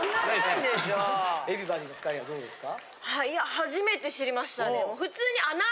初めて知りましたね。